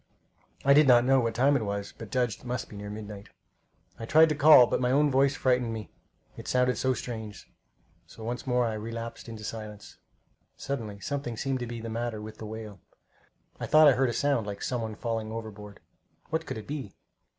I did not know what time it was, but judged it must he near midnight. I tried to call, but my own voice frightened me it sounded so strange; so once more I relapsed into silence. Suddenly something seemed to be the matter with the whale. I thought I heard a sound like some one falling overboard. What could it be?